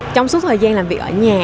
trong suốt thời gian làm việc ở nhà